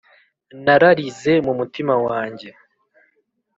nararize mu mutima wanjye